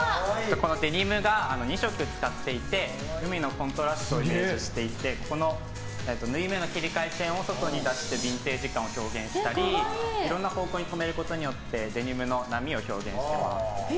このデニムが２色使っていて海のコントラストをイメージしていて布の切り替え線を外に出してビンテージ感を表現したりいろんな方向に留めることによってデニムの波を表現しています。